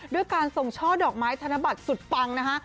ด้วยการส่งช่อดอกไม้ธนบัตรสุดปังนะคะ